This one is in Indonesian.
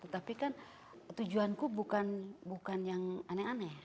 tapi kan tujuanku bukan yang aneh aneh